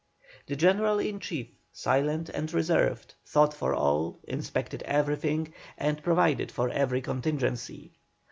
The General in Chief, silent and reserved, thought for all, inspected everything, and provided for every contingency.